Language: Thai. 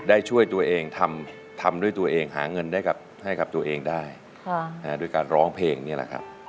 ช่วยตัวเองทำด้วยตัวเองหาเงินได้ให้กับตัวเองได้ด้วยการร้องเพลงนี่แหละครับ